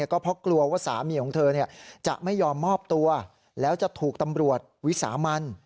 ก็เพราะกลัวว่าสามีของเธอจะไม่ยอมมอบตัวแล้วจะถูกตำรวจวิสามัน